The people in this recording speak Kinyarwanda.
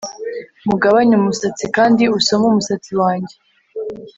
mugabanye umusatsi, kandi usome umusatsi wanjye